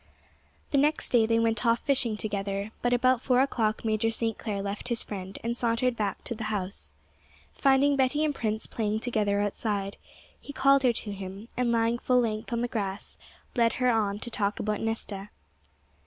The next day they went off fishing together, but about four o'clock Major St. Clair left his friend and sauntered back to the house. Finding Betty and Prince playing together outside, he called her to him, and, lying full length on the grass, led her on to talk about Nesta.